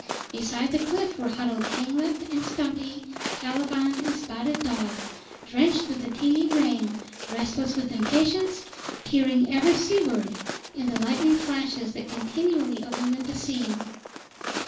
Beside the cliff were huddled Hanglip and Stumpy, Caliban, and Spotted Dog, drenched with the teeming rain, restless with impatience, peering ever to seaward in the lightning flashes that continually illumined the scene.